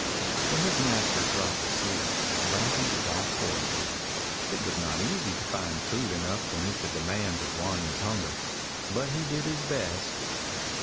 When his master dropped asleep Brakje was off foraging. It was not easy to find food enough to meet the demands of Wanya's hunger, but he did his best.